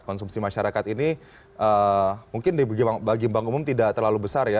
konsumsi masyarakat ini mungkin bagi bank umum tidak terlalu besar ya